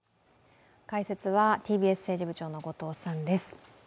解説はＴＢＳ政治部長の後藤さんです。